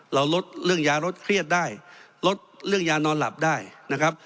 ลดเรื่องยาลดเครียดได้ลดเรื่องยานอนหลับได้นะครับ